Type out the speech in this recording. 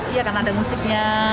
iya karena ada musiknya